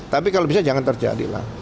tapi kalau bisa jangan terjadilah